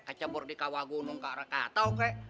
kecebur di kawah gunung krakatau kek